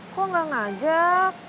kok gak ngajak